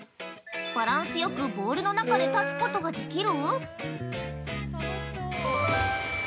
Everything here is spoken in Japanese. バランスよくボールの中で立つことができる？